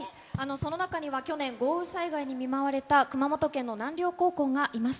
その中には去年豪雨災害に見舞われた熊本県の南稜高校がいます。